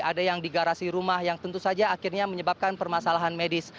ada yang di garasi rumah yang tentu saja akhirnya menyebabkan permasalahan medis